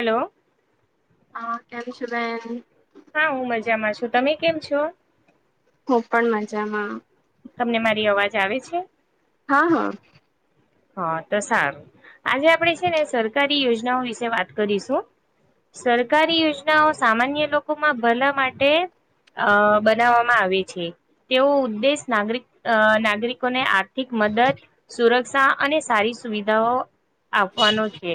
Hello હા, કેમ છે, બેન હા, હું મજામાં છું તમે કેમ છો હું, પણ મજામાં તમને મારી અવાજ આવે છે. હા, હા હા, તો સારું આજે આપણેે છે, ને સરકારી યોજનાઓ વિશે વાત કરીશું સરકારી યોજનાઓ સામાન્ય લોકોમાં ભલા માટે આ બનાવામાં આવે છે. તેવો ઉદ્દેશ નાગરિક નાગરિકોને આર્થિક મદદ સુરક્ષ સા અને સારી સુવિધાઓ આપવાનો છે,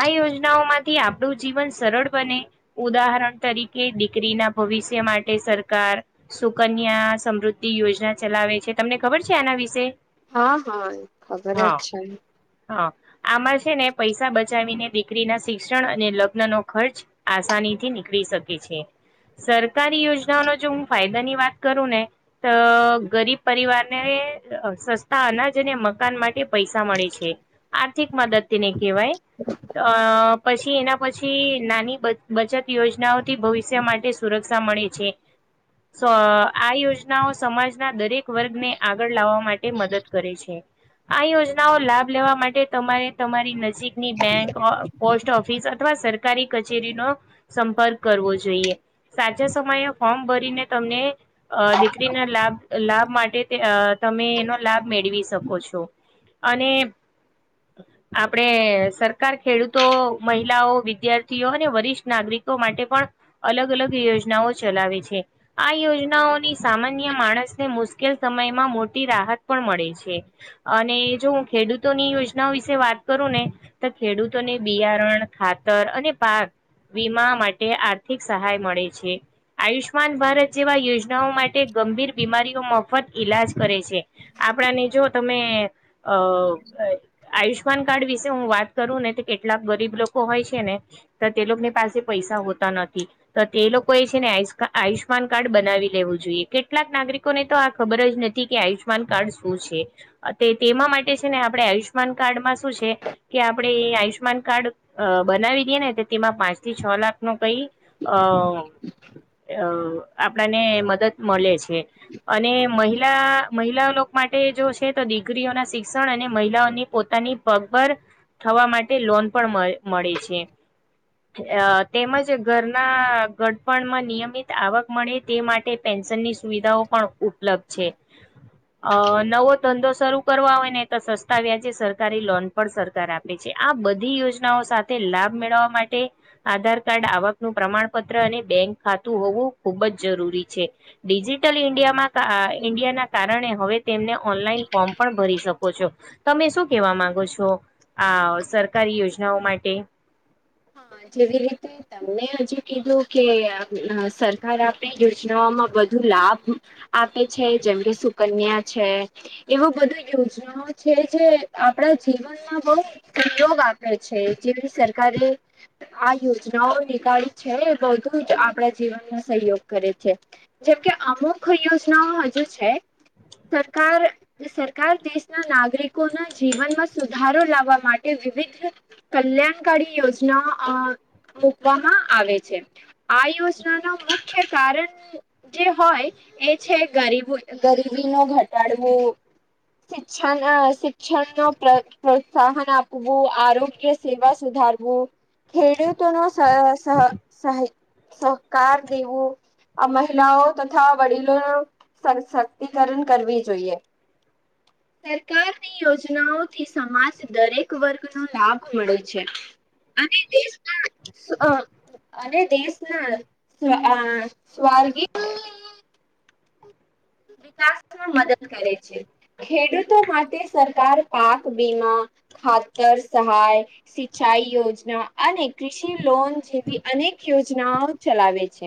આ યોજનાઓમાં થી આપણું જીવન સરળ બને ઉદાહરણ તરીકે દીકરી ના ભવિષ્ય માટે સરકાર સુકન્યા સમૃદ્ધિ યોજના ચલાવે છે તમને ખબર છે, આના વિશે હા, હા ખબર જ હા, છે. હા આમાં છે ને, પૈસા બચાવીને દીકરી ના શિક્ષણ અને લગ્ન ન ખર્ચ આસાનીથી નીકળી શકે છે. સરકારી યોજનાઓનો જો હું ફાયદા ની વાત કરું ને તો ગરીબ પરિવારને એ સસ્તા અનાજ અને મગ કાન માટે પૈસા મળે છે, આર્થિક મદદ તેને કહેવાય અ પછી એના પછી, નાની બચત યોજનાઓથી ભવિષ્ય માટે સુરક્ષા સા મળે છે આ યોજનાઓ સમાજના દરેક વર્ગને આગળ લાવવા માટે મદદ કરે છે. આ યોજનાઓ લાભ લેવા માટે તમારે તમારી નજીકની બેંક ઓ પોસ્ટ ઓફિસ અથવા સરકારી કચેરીનોો સંપર્ક કરવો જોઈએ. સાચા સમયે ફોર્મ ભરીને તમને દીકરીના લાભ લાભ માટે તમે એનો લાભ મેળ. મેળવી શકો છો અને આપડે સરકાર ખેડૂતો મહિલાઓ વિદ્યાર્થીઓ અને વરિષ્ઠ નાગરિક. માટે પણ અલગ અલગ યોજનાઓ ચલાવે છે આ યોજનાઓની સામાન્ય માણસ મુશ્કેલ સમયમાં મોટી રાહત પણ મળે છે. અને જો હું ખેડૂતોની યોજનાઓ વિશે વાત કરું ને તો ખેડૂતોને બિયારણ ખાત સ્તર અને પાક વીમા માટે આર્થિક સહાય મળે છે. આયુષ્માન ભારત જેવા યોજનાઓ માટે ગંભીર બીમારીઓ મફત ઈલાજ. કરે છે આપણાને જો તમે અ આયુષ્માન કાર્ડ વિશે હું વાત કરું ને તો કેટલાક ગરીબ લોકો હોય છે, ને તો તે લોકોની પાસે પૈસા પૈસા હોતા નથી તો તે લોકોએ છે, ને આયુષ્યમાન કાર્ડ બનાવી લેવું જોઈએ કેટલાક નાગરિક ને તો આ ખબર જ નથી કે આયુષ્યમાન કાર્ડ શું છે. તે તેમાં માટે છે, ને આપણે આયુષ્યમાન કાર્ડમાં શું છે, કે આપણે એ આયુષ્યમાન કાર્ડ બનાવી દેએ ને તો તેમાં પાંચ થી છ લાખ નો કઈ અ આપણને મદદ મળે છે અને મહિલા, મહિલા લો માટે જો છે દીગરીઓના શિક્ષણ અને મહિલાઓને પોતાની પગભર થવા માટે લોન પણ મળે મળે છે. અ તેમજ ઘરના ગડપણમાં નિયમિત આવક મળે તે માટે પે નશન ની સુવિદા પણ ઉપલપઢ છે. ધંધો શરૂ કરવા હોય ને તો સસ્તા વ્યાજે સરકારી લોન પણ સરકાર આપે છે. આ બધી યોજનાઓ સાથે લાભ મેળવવા માટે આધાર કાર્ડ આવકનું પ્રમાણપત્ર અને બેંક ખાતું હોવું. ખૂબ જ જરૂરી છે ડિજિટલ ઇન્ડિયામાં ઇન્ડિયા ના કારણે હવે તેમને ઓનલાઈન ફોર્મ પણ ભરી શકો છો. તમે શું કેવા માંગો છો આ સરકારી યોજનાઓ માટે. હ હા જેવી રીતે તમને હજુ કીધું કે સરકાર આપે યોજનાઓમાં બધું. લાભ આપે છે જેમ કે સુકન્યા છે એવું બધી યોજનાઓ છે. જે આપણા જીવનમાં બણુ સહયોગ આપે છે જેની સરકારે. હ આ યોજનાઓ નીકાળી છે એ બધું જ આપણા જીવનનો સહયોગ કરે છે જેમકે અમુક યોજનાઓ હજુ છે. સરકાર સરકાર દેશના નાગરિકોના જીવનમાં સુધારો લાવવા માટે વિવિધ કલ્યાણકારી યોજના મકવામાં આવે છે આ યોજના ન મુખ્ય કારણ જે હોય એ છે ગરીબ ગરીબી નો ઘટાડવો શિક્ષ શિક્ષણ ન પ્રોત્સાહન આપવું આરોગ્ય સેવા સુધી ારવું ખેડૂતો ન સ સહકાર દેવું આ મહિલાઓ તથા વડીલોનુંશક્તિકરણ કરવી જોઈએ હ સરકારની યોજનાઓથી સમાજ દરેક વર્ગનો લાભ મળે છે. અને અને દેશના સ્વર્ગી વિકાસમાં મદદ કરે છે ખેડૂતો માટે સરકાર પાક વીમા ખાતર સહાય સિંચાઈ યોજના અને કૃષિ લોન જેવી અને યોજનાઓ ચલાવે છે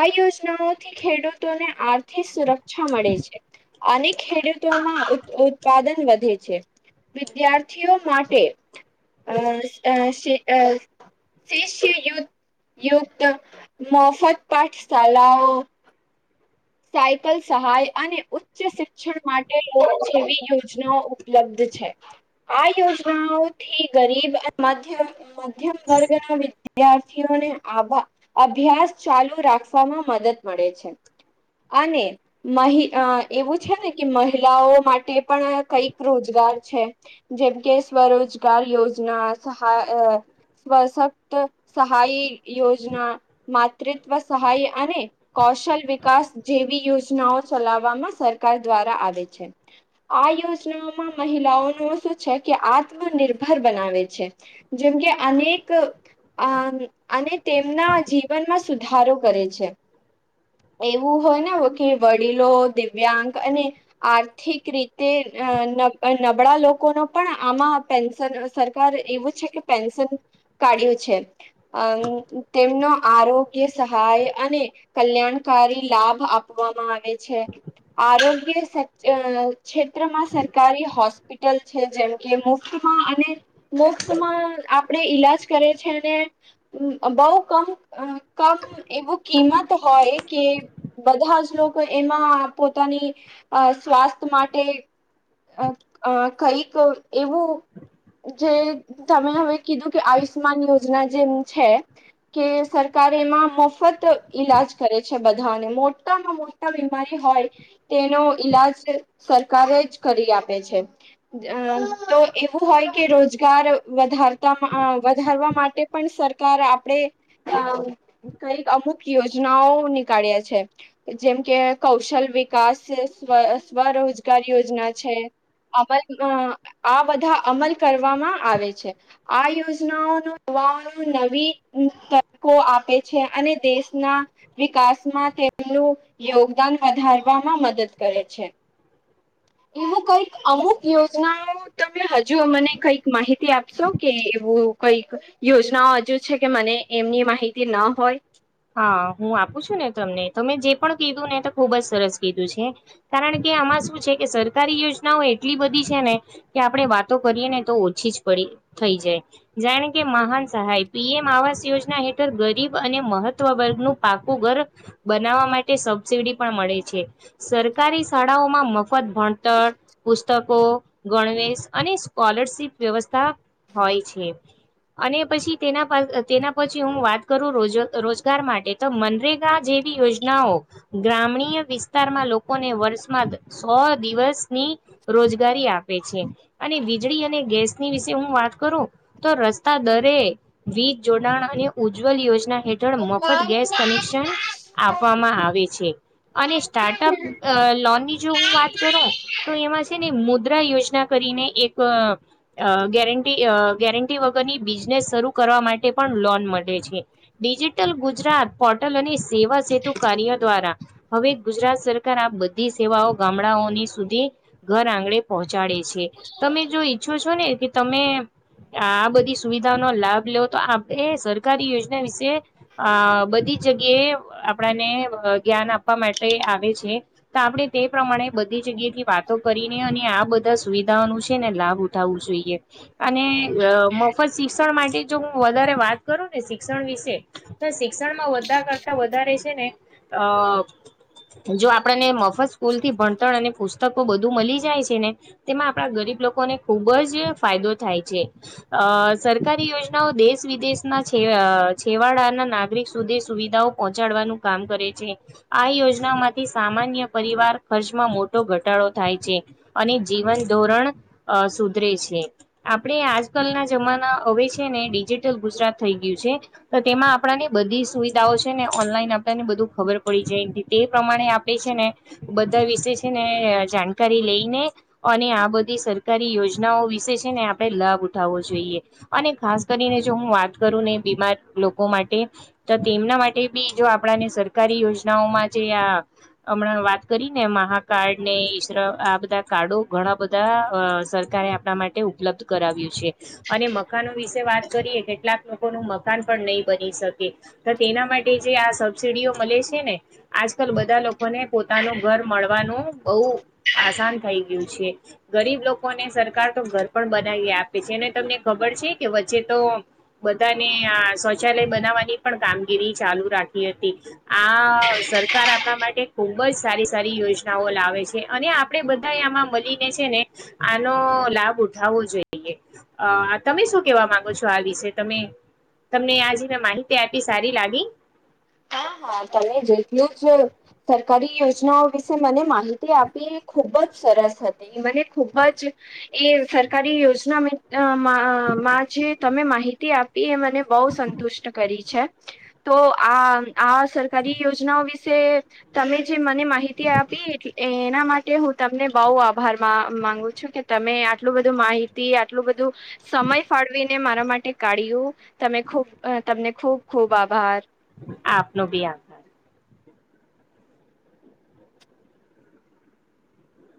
આ યોજનાઓથી ખેડૂતોને આર્થિક સુરક્ષ છા મળે છે અનેક ખેડૂતોમાં ઉત્પાદન વધે છે. વિદ્યાર્થીઓ માટે અ શીષ્યયુ, યુક્ત મોફત પાઠશલાઓ સાયકલ સહાય અને ઉચ્ચ શિક્ષણ, માટે લોક જેવી યોજનાઓ ઉપલબ્ધ આયોનાઓથી ગરીબ, મધ્યમ વર્ગના વિદ્યાર્થીઓને આભ અભ્યાસ ચાલુ રાખવામાં મદદ મળે છે. અને એવું છે. ને કે મહિલાઓ માટે પણ કઈક રોજગાર છે, જેમ કે સ્વરોજગાર યોજના સહાય સશક્ત સહાય, યોજના માતૃત્વ સહાય અને કૌશલ વિકાસ- જેવી યોજનાઓ ચલાવવામા સરકાર દ્વારા આવે છે. આ યોજનાઓમાં મહિલા શું છે, કે આત્મનિર્ભર બનાવે છે, જેમ કે અનેક અને તેમના જીવનમાં સુધારો કરે છે. એ એવું હોય ને કે વડીલો દિવ્યાંગ અને આર્થિક રીતે નબળા લોકો ન પણ આમાં પેન્શન સરકાર એવું છે કે પેન્શન કાઢ્યું છે. અ તેમનો આરોગ્ય સહાય અને કલ્યાણકારી લાભ આપવામાં આવે છે. આરોગ્ય ક્ષેત્રમાં સરકારી હોસ્પિટલ છે જેમકે મુફત અને મુફતમાં આપણે ઈલાજ કરે છે અને બહ કમ અ કમ એવું કિંમત હોય કે બધા જ લોકો એમાં પોતાની સ્વાસ્થ્ય માટે કઈક એવું જે તમે હવે કીધું કે આયુષ્માન યોજના જેમ છે. કે સરકાર એમાં મફત ઈલાજ કરે છે બધા મોટામાં, મોટા બીમારી હોય તેનો ઈલાજ સરકારે જ કરી આપ છે, તો એવું હોય. કે રોજગાર વધારતા વધારવા માટે પણ સરકાર, આપણેે કઈક અમુક યોજનાઓ કા્યા છે. જેમ કે કૌશલ વિકાસ સ્વ સ્વરોજગાર યોજના છે. અમલ આ બધા અમલ કરવામાં આવે છે, આ યોજનાઓનો નવી તકો આપે છે, અને દેશના વિકાસ માં તેમનું યોગદાન વધારવામાં મદદ કરે છે. હ એવું કઈક અમુક યોજનાઓ, તમે હજુ મને કઈક માહિતી આપશો કે એવુ કઈક યોજનાઓ હજુ છે, કે મને એમની માહિતી ન હોય હા, હુ આપું છુ, ને તમને તો મેં જે પણ કીધું ને તો ખુબ જ સરસ કીધું છે, કારણ કે આમાં શું છે, કે સરકારી યોજનાઓ એટલી બધી છે ને કે આપડણે વાતો કરીએ ને તો ઓછી જ પડી થઈ જાય, જાણે કે મહાન સહાય પીએમ આવાસ યોજના હેઠળ ગરીબ અને મહ વર્ગનુ, પાકુ ઘર બનાવવા માટે સબસિડી પણ મળે છે. સરકારી, શાળાઓમા મફત ભણતર પુસ્તકો ગણવેશ અને સ્કોલરશિપ વ્યવસ્થા હોય છે. અને પછી, તેના તેના પછી હુ વાત કરુ રોજ રોજ સર માટે તો મનરેગા જેવી યોજનાઓ ગ્રામી્ય વિસ્તારમા, લોકોને વર્ષમાં સો દિવસ ની રોજગારી આપે છે, અને વીજળી અને ગેસની વિશે હુ વાત કરુ, તો રસ્તા દરે વીજ જોડાણ અને ઉજ્જવલ યોજના હેળ જો, મફત ગેસ કનેક્શન આપવામાં આવે છે. અને સ્ટાર્ટઅપ અ લોનની જો હું વાત કરું તો એમાં છે ને મુદ મુ્ર યોજના કરીને એક અ અ ગેરંટી અ, ગેરંટી વગરની બિઝનેસ શરૂ કર કરવા માટે પણ લોન મળે છે. ડિજિટલ ગુજરાત પોર્ટલ અને, સેવા સેતુ કાર્ય દ્વારા હવે ગુજરાત સરકાર આ બધી સેવાઓ ગામડાઓની સુધી ઘર આંગણેે પહોંચાડે છે છે તમે જો ઈચ્છો છો ને કે તમે આ બધી સુવિધાનો લાભ લ્યો તો એ સરકારી યોજના વિશે તે અ બધી જ જગ્યાએ આપણાને જ્ઞાન આપવા માટે આવે છે. તો આપણે તે પ્રમાણે બધી જગ્યા થી વાતો કરીને અને આ બધા સુવિધાઓનું છે ને લાભ ઉઠાવવું જોઈએ અને અ મફત શિક્ષણ માટે જો હું વધારે વાત કરું ને શિક્ષણ વિશે તે તો શિક્ષણમાં વધા કરતા વધારે છે ને અ જો આપણને મફત સ્કૂલ થી ભણતર અને પુસ્તકો બધું મળી જાય છે ને તેમાં આપડા ગરીબ લોકોને ખૂબ જ ફાયદો થાય છે અ સરકારી યોજનાઓ દેશ વિદેશના છે. એ અ. છેવાડાના નાગરિક સુધી સુવિધાઓ પહોંચાડવાનું કામ કરે છે આ યોજનામાંથી સામાન પરિવાર ખર્ચમાં મોટો ઘટાડો થાય છે અને જીવન ધોરણ અ સુધી પ્રે છે આપણે આજકાલ ના જમાના હવે છે ને ડિજિટલ ગુજરાત થઈ ગયું છે. તો તેમાં આપણાની બધી સુવિધાઓ છેને, ઓનલાઈન આપણાને બધું ખબર પડી જાય એ તે પ્રમાણે આપે છે. બધા વિશે છેને, જાણકારી લઈને અને આ બધી સરકારી યોજના વિશે છેને, આપે લાભ ઉઠાવવો જોઈએ અને ખાસ કરીને જો હુ વાત કરુ ને બીમાર લોકો, માટે તો તેમના માટે બી જો આપણાને સરકારી યોજનાઓમાં જે આ હમણા, વાત કરી ને મહાકાર્ડ ને ઈશ્ર આ બધા કાર્ડો ઘણા બધા સરકારી આપણા માટે ઉપલબ્ધ કરાવિયે છે. અને મકાનો વિશે વાત કરીએ કેટલાક લોકોનું મક પણ નહી. બની શકે તો તેના માટે જે આ સબસિડીઓ મળે છેને, આજકાલ બધા લોકો લોકોને, પોતાનું ઘર મળવાનું બહુ આસાન થઈ ગયું છે, ગરીબ લોકોને સરકાર તો ઘર પણ બનાવી આપે છે. તમને ખબર છે, કે વચ્ચે તો બધાને આ શૌચાલય બનાવવાની પણ કામગીરી ચાલુ રાખી હતી આ સરકાર આપણા માટે ખુબ જ સારી સારી યોજનાઓ લાવે છે, અને આપણે બધા આમાં મળીને છે ને તો લાભ ઉઠાવવો જોઈએ અ તમે શું કેવા માંગો છો આ વિશે તમે તમને આ જને માહિતી આપી સારી લાગી. હા હા તમે જેટલું જ સરકારી યોજનાઓ વિશે મને માહિતી આપી એ ખુબ જ સરસ હતી મને ખૂબ જ એ સરકારી યોજના માં અ માં જ જે તમે માહિતી આપી એ મને બહું સંતુષ્ટ કરી છે તો આ આ સરકારી યોજનાઓ વિશે તમે જે મને માહિતી આપી એ માટે હું તમને બહુ આભાર મા માંગુ છું કે તમે આટલું બધું માહિતી આટલું બધું સમય ફાળવીને મારા માટે કાઢ્યું તમે ખૂબ તમને ખૂબ ખૂબ આભાર. આપનો બી આભાર.